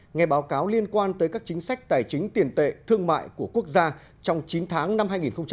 nghe báo cáo liên quan tới các chính sách tài chính tiền tệ thương mại của quốc gia trong chín tháng năm hai nghìn hai mươi